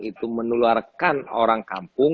itu menularkan orang kampung